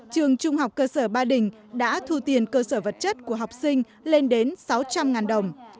trường trung học cơ sở ba đình đã thu tiền cơ sở vật chất của học sinh lên đến sáu trăm linh đồng